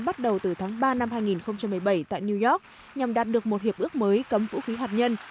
bắt đầu từ tháng ba năm hai nghìn một mươi bảy tại new york nhằm đạt được một hiệp ước mới cấm vũ khí hạt nhân